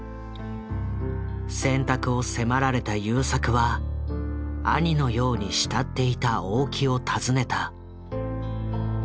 選択を迫られた優作は兄のように慕っていた大木を訪ねた。